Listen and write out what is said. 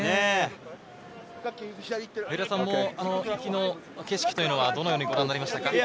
上田さんも昨日、景色はどのようにご覧になりましたか？